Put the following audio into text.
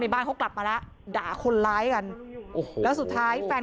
เอาให้ฉัน